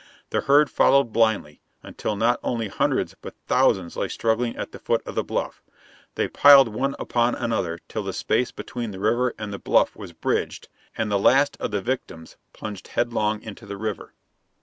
The herd followed blindly until not only hundreds but thousands lay struggling at the foot of the bluff. They piled one upon another till the space between the river and the bluff was bridged, and the last of the victims plunged headlong into the river.